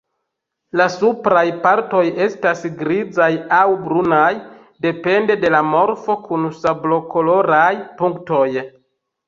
La supraj partoj estas grizaj aŭ brunaj, depende de la morfo, kun sablokoloraj punktoj.